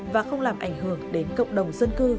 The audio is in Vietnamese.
và không làm ảnh hưởng đến cộng đồng dân cư